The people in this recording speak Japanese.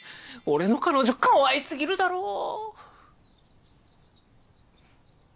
俺の彼女かわいすぎるだろ！